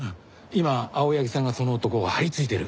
今青柳さんがその男張り付いてる。